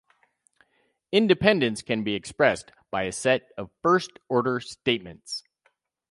Independence can be expressed by a set of first-order statements.